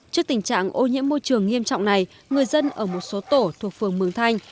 trước tình trạng ô nhiễm môi trường nghiêm trọng này người dân ở một số tổ thuộc phường mường thanh